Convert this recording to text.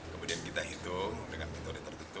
kemudian kita hitung dengan fitur yang tertentu